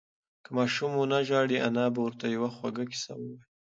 که ماشوم ونه ژاړي، انا به ورته یوه خوږه قصه ووایي.